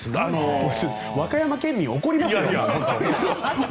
和歌山県民が怒りますよ。